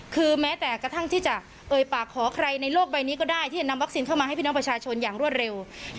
คือแม้แต่กระทั่งที่จะเอ่ยปากขอใครในโลกใบนี้ก็ได้ที่จะนำวัคซีนเข้ามาให้พี่น้องประชาชนอย่างรวดเร็ว